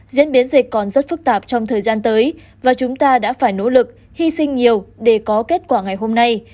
diễn biến dịch còn rất phức tạp trong thời gian tới và chúng ta đã phải nỗ lực hy sinh nhiều để có kết quả ngày hôm nay